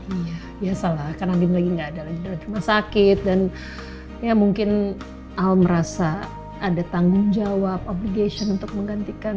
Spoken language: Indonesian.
iya biasa lah karena bin lagi nggak ada lagi dari rumah sakit dan ya mungkin al merasa ada tanggung jawab obligation untuk menggantikan